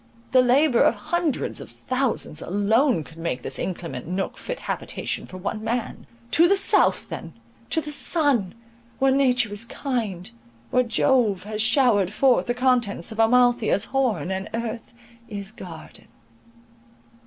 The labour of hundreds of thousands alone could make this inclement nook fit habitation for one man. To the south then, to the sun!—where nature is kind, where Jove has showered forth the contents of Amalthea's horn, and earth is garden.